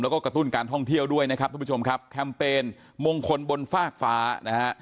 แล้วก็กระตุ้นการท่องเที่ยวด้วยนะครับทุกผู้ชมครับแคมเปญมงคลบนฟากฟ้านะฮะ